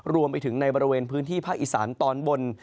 รวมไปถึงในบริเวณพื้นที่ภาคอีสานตอนบน